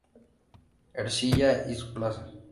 Ercilla y su plaza.